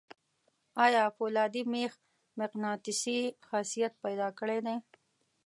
آیا فولادي میخ مقناطیسي خاصیت پیدا کړی دی؟